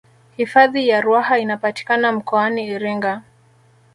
hifadhi ya ruaha inapatikana mkoani iringa